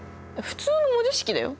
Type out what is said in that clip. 普通の文字式だよ。